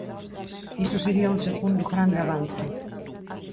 Iso sería un segundo grande avance.